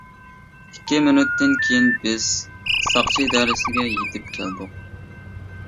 ئىككى مىنۇتتىن كېيىن بىز ساقچى ئىدارىسىگە يېتىپ كەلدۇق.